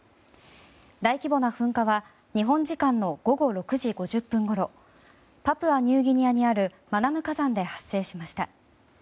大規模な噴火は日本時間の午後６時５０分ごろパプアニューギニアにあるマナム火山で発生しました。